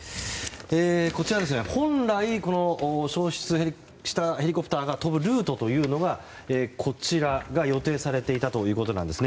こちら、本来消失したヘリコプターが飛ぶルートというのがこちらが予定されていたということです。